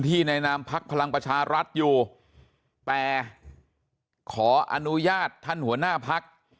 ในนามพักพลังประชารัฐอยู่แต่ขออนุญาตท่านหัวหน้าพัก